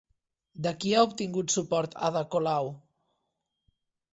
De qui ha obtingut suport Ada Colau?